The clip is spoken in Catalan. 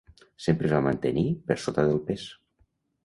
Sempre es va mantenir per sota del pes.